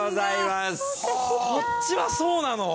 こっちはそうなの！？